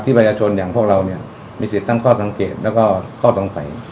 ประชาชนอย่างพวกเราเนี่ยมีสิทธิ์ตั้งข้อสังเกตแล้วก็ข้อสงสัย